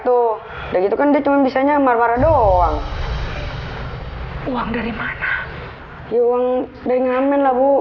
tuh udah gitu kan dia cuman bisanya marwara doang uang dari mana ya uang dengan menawuk